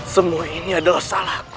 semua ini adalah salahku